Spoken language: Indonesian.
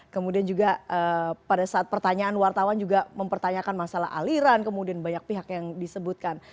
kemudian juga pada saat pertanyaan wartawan juga mempertanyakan masalah aliran kemudian banyak pihak yang disebutkan